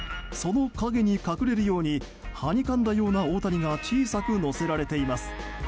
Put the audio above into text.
その陰に隠れるようにはにかんだような大谷が小さく載せられています。